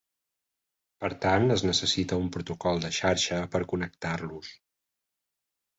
Per tant, es necessita un protocol de xarxa per "connectar-los".